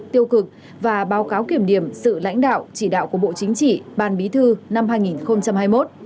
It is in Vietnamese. tiêu cực và báo cáo kiểm điểm sự lãnh đạo chỉ đạo của bộ chính trị ban bí thư năm hai nghìn hai mươi một